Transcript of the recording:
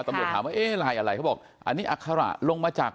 ตำหมดหามึงเอ๊หลายอะไรเขาอันนี้อฆาระลงมาจากหมอ